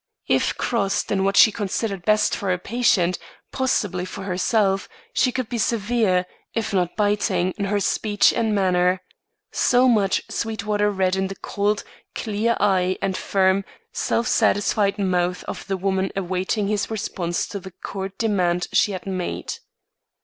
If crossed in what she considered best for her patient, possibly for herself, she could be severe, if not biting, in her speech and manner. So much Sweetwater read in the cold, clear eye and firm, self satisfied mouth of the woman awaiting his response to the curt demand she had made.